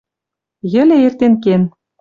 Йӹле эртен кен.